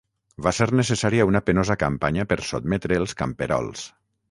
Va ser necessària una penosa campanya per sotmetre els camperols.